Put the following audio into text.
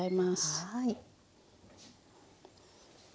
はい。